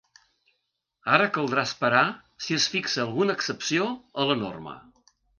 Ara caldrà esperar si es fixa alguna excepció a la norma.